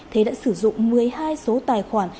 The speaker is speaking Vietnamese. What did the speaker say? thế đã sử dụng một mươi hai số tài khoản